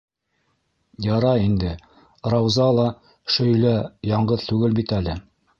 Ярай инде, Рауза ла шөйлә яңғыҙ түгел бит әле.